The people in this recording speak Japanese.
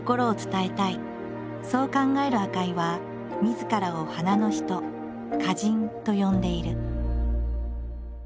そう考える赤井はみずからを花の人「花人」と呼んでいる。